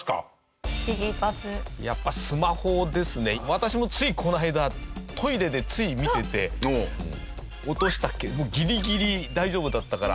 私もついこの間トイレでつい見てて落としたけどギリギリ大丈夫だったから。